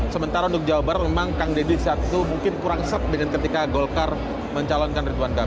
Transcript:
sementara untuk jawabannya memang kang deddy saat itu mungkin kurang set dengan ketika golkar mencalonkan ridwan kami